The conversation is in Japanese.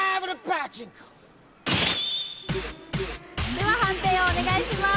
では、判定お願いします。